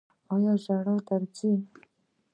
ایا ژړا درځي؟